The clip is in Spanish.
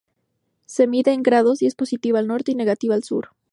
Se mide en grados y es positiva al norte y negativa al sur.